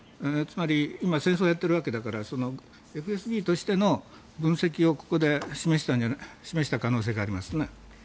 つまり、今戦争をやっているわけだからＦＳＢとしての分析をここで示した可能性がありますね。